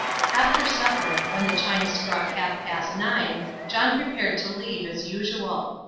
After supper, when the chimes struck half past nine, John prepared to leave as usual.